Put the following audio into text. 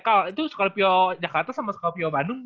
kalau itu scorpio jakarta sama scorpio bandung